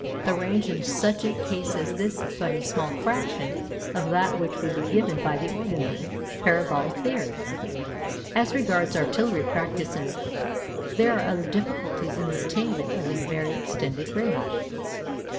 The range in such a case as this is but a small fraction of that which would be given by the ordinary parabolic theory. As regards artillery practice in war, there are other difficulties in the attainment of a very extended range.